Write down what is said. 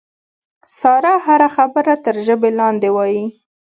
ساره هره خبره تر ژبې لاندې وایي.